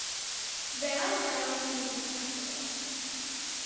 Vail Valley Music Festival.